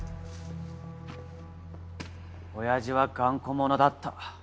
親父は頑固者だった。